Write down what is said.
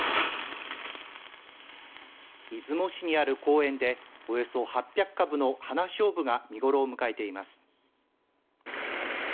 出雲市にある公園でおよそ８００株の花しょうぶが見頃を迎えています。